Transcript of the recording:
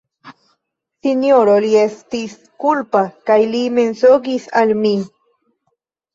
Sinjoro Li estis kulpa kaj li mensogis al mi!